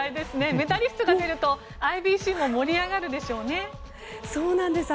メダリストが出るとＩＢＣも盛り上がるでしょうね。